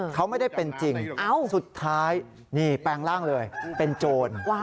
เขาไม่ได้เป็นจริงสุดท้ายนี่แปลงร่างเลยเป็นโจร